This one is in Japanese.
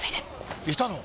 いたの？